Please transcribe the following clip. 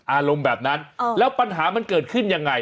อารมณ์แบบนั้นแล้วปัญหามันเกิดขึ้นยังไง